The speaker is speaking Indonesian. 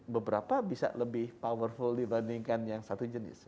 beberapa bisa lebih powerful dibandingkan yang satu jenis